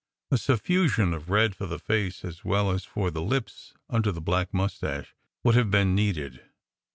A suffusion of red for the face, as well as for the lips under the black moustache, would have been needed.